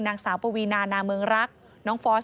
นางสาวปวินานาเมิงรักษ์น้องฟอร์ส